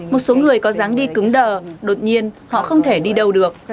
một số người có dáng đi cứng đờ đột nhiên họ không thể đi đâu được